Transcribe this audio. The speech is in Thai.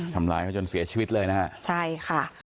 ทำร้ายเขาจนเสียชีวิตเลยนะฮะใช่ค่ะ